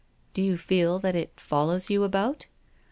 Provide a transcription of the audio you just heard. " Do you feel that it follows you about?"